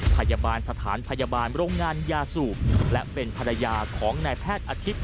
พยาบาลสถานพยาบาลโรงงานยาสูบและเป็นภรรยาของนายแพทย์อาทิตย์